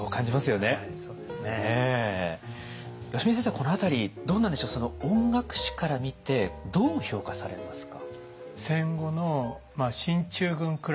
この辺りどうなんでしょう音楽史から見てどう評価されますか？